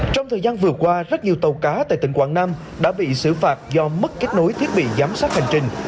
trong thời gian vừa qua rất nhiều tàu cá tại tỉnh quảng nam đã bị xử phạt do mất kết nối thiết bị giám sát hành trình